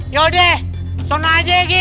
yaudah ke sana aja